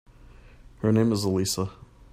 Her name is Elisa.